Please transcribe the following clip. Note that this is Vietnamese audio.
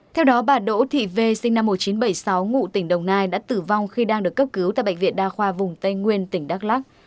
theo đó bà đỗ thị v sinh năm một nghìn chín trăm bảy mươi sáu ngụ tỉnh đồng nai đã tử vong khi đang được cấp cứu tại bệnh viện đa khoa vùng tây nguyên tỉnh đắk lắc